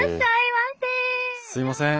すいません。